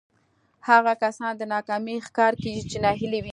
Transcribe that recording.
هغه کسان د ناکامۍ ښکار کېږي چې ناهيلي وي.